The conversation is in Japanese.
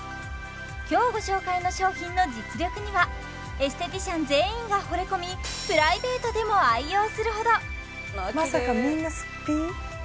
今日ご紹介の商品の実力にはエステティシャン全員がほれ込みプライベートでも愛用するほどまさかみんなすっぴん？